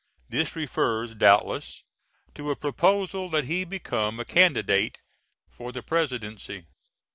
This refers, doubtless, to a proposal that he become a candidate for the Presidency.